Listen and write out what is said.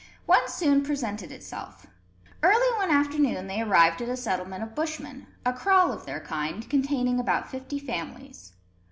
One soon presented itself. Early one afternoon they arrived at a settlement of Bushmen, a kraal of their kind, containing about fifty families.